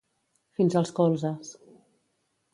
Fins als colzes.